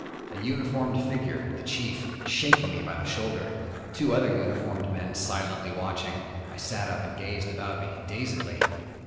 A uniformed figure, the chief, shaking me by the shoulder. Two other uniformed men silently watching. I sat up and gazed about me, dazedly.